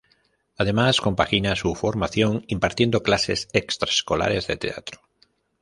Además, compagina su formación impartiendo clases extraescolares de teatro.